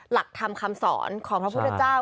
หลักธรรมคำสอนของพระพุทธเจ้า